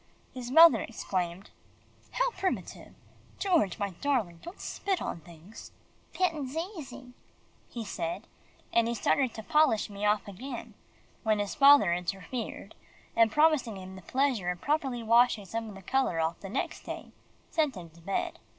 His mother exclaimed, "How primitive George, my darling, don't spit on things." "'Pittin's easy," he said, and he started to polish me off again, when his father interfered, and promising him the pleasure of properly washing some of the colour off the next day, sent him back to bed.